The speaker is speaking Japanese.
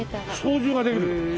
操縦ができるんだ？